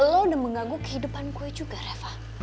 lo udah menggaguh kehidupan gue juga reva